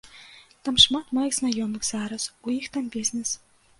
Там шмат маіх знаёмых зараз, у іх там бізнэс.